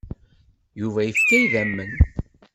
Yuba yefka idammen.